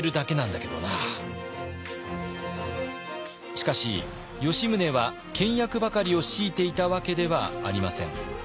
しかし吉宗は倹約ばかりを強いていたわけではありません。